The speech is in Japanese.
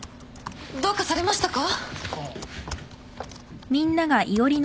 どうかされましたか？